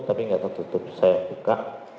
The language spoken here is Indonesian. tapi nggak tertutup saya buka